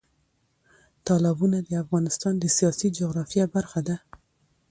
تالابونه د افغانستان د سیاسي جغرافیه برخه ده.